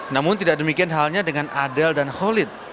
namun tidak demikian halnya dengan adel dan holid